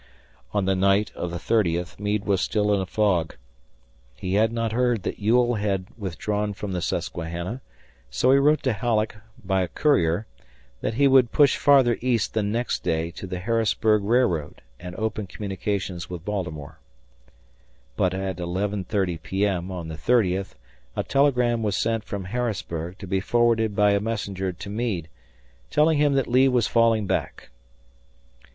On the night of the thirtieth Meade was still in a fog. He had not heard that Ewell had withdrawn from the Susquehanna, so he wrote to Halleck, by a courier, that he would push farther east the next day to the Harrisburg railroad, and open communication with Baltimore. But at 11.30 P.M., on the thirtieth, a telegram was sent from Harrisburg to be forwarded by a messenger to Meade, telling him that Lee was falling back.